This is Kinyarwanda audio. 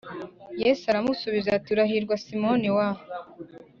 Yesu aramusubiza ati Urahirwa Simoni wa